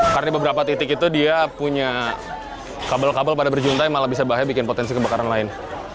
karena di beberapa titik itu dia punya kabel kabel pada berjuntai malah bisa bahaya bikin potensi kebakaran lain